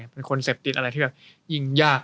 เป็นคอนเซ็ปติดอะไรที่แบบ